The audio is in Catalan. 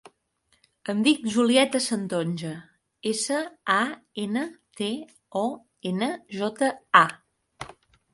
Em dic Julieta Santonja: essa, a, ena, te, o, ena, jota, a.